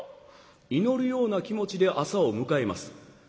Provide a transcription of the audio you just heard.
祈るような気持ちで朝を迎えます。